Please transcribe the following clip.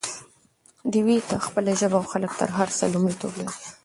ډيوې ته خپله ژبه او خلک تر هر څه لومړيتوب لري